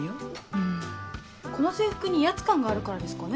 うんこの制服に威圧感があるからですかね。